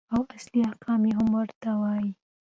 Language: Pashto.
او اصلي احکام هم ورته وايي.